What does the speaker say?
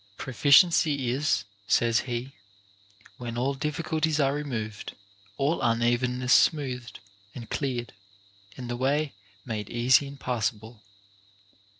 Proficiency is (says he) when all difficulties are removed, all unevenness smoothed and cleared, and the way made easy and passa ble.